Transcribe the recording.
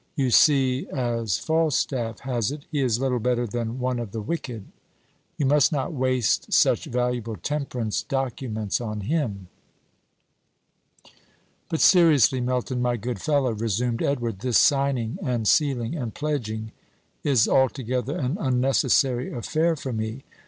You see, as Falstaff has it, 'he is little better than one of the wicked.' You must not waste such valuable temperance documents on him." "But, seriously, Melton, my good fellow," resumed Edward, "this signing, and sealing, and pledging is altogether an unnecessary affair for me.